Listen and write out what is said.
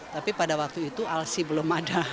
tapi pada waktu itu alsi belum ada